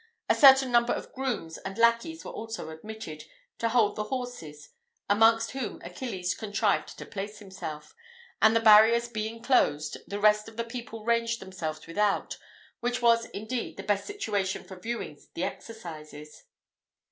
A certain number of grooms and lackeys also were admitted, to hold the horses, amongst whom Achilles contrived to place himself; and the barriers being closed, the rest of the people ranged themselves without, which was indeed the best situation for viewing the exercises.